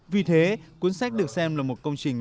vì thế cuốn sách được xem là một công trình